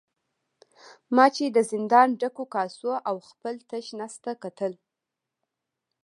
ما چې د زندان ډکو کاسو او خپل تش نس ته کتل.